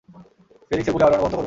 ফিজিক্সের বুলি আওড়ানো বন্ধ করো।